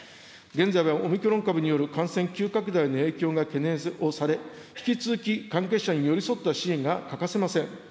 現在はオミクロン株による感染急拡大の影響が懸念をされ、引き続き、関係者に寄り添った支援が欠かせません。